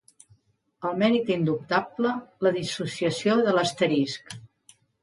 El mèrit indubtable, la dissociació d'asterisc.